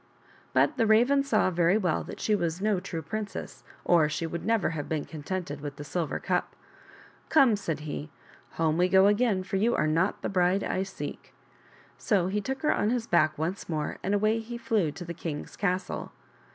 But the Raven saw very well that she was no true princess, or she would never have been contented with the silver cup. " Come," said he, " home we go again, for you are not the bride I seek." So he took her on his back once more and away he flew to the king's castle.